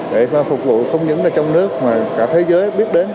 để phục vụ không chỉ trong nước mà cả thế giới biết đến